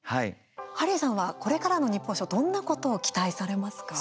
ハリーさんはこれからの日本賞どんなことを期待されますか？